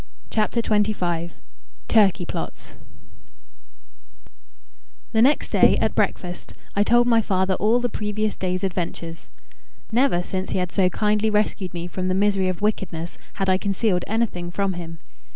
CHAPTER XXV Turkey Plots The next day, at breakfast, I told my father all the previous day's adventures. Never since he had so kindly rescued me from the misery of wickedness had I concealed anything from him.